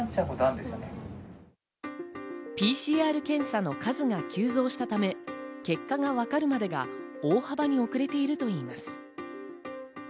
ＰＣＲ検査の数が急増したため、結果がわかるまでが大幅に遅れているといいます。